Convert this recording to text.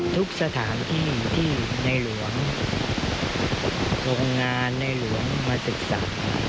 ทุกสถานที่ที่ในหลวงโรงงานในหลวงมาศึกษา